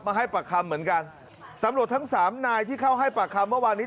ให้ปากคำเหมือนกันตำรวจทั้งสามนายที่เข้าให้ปากคำเมื่อวานนี้